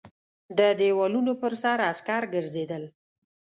د دېوالونو پر سر عسکر ګرځېدل.